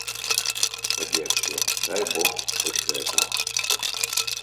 Канешне, дай бог хоць гэта!